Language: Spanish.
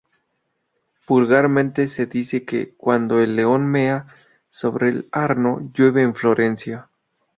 Vulgarmente se decía que: "Cuando el león mea sobre el Arno llueve en Florencia".